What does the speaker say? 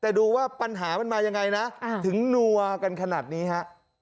แต่ดูว่าปัญหามันมายังไงนะถึงนัวกันขนาดนี้ฮะ